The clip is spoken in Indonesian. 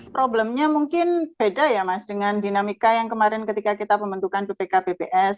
problemnya mungkin beda ya mas dengan dinamika yang kemarin ketika kita pembentukan bpk bps